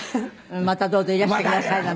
「またどうぞいらしてください」なんて？